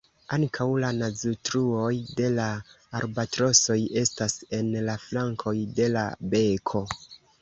Ankaŭ la naztruoj de la albatrosoj estas en la flankoj de la beko.